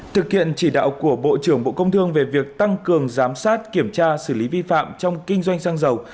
thực hiện chỉ đạo của bộ trưởng bộ công thương về việc tăng cường giám sát kiểm tra xử lý vi phạm trong kinh doanh xăng dầu